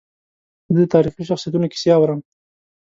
زه د تاریخي شخصیتونو کیسې اورم.